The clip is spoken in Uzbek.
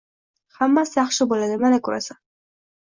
Hammasi yaxshi bo`ladi, mana ko`rasan